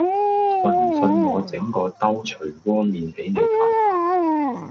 信唔信我整個兜捶窩面俾你嘆下